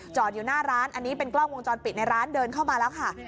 อยู่หน้าร้านอันนี้เป็นกล้องวงจรปิดในร้านเดินเข้ามาแล้วค่ะ